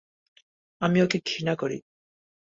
আমি ওকে ঘৃণা করি।